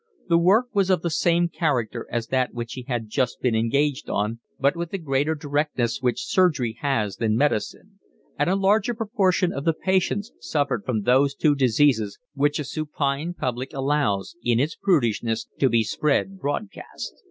The work was of the same character as that which he had just been engaged on, but with the greater directness which surgery has than medicine; and a larger proportion of the patients suffered from those two diseases which a supine public allows, in its prudishness, to be spread broadcast.